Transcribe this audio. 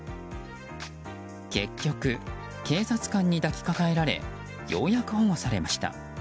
結局、警察官に抱きかかえられようやく保護されました。